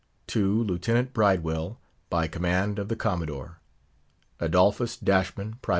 "To Lieutenant Bridewell. "By command of the Commodore; "Adolphus Dashman, Priv.